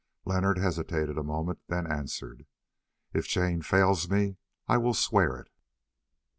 Leonard hesitated a moment, then answered: "If Jane fails me, I will swear it."